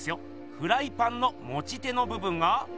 フライパンのもち手のぶぶんが。